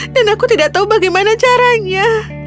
aku tidak tahu bagaimana caranya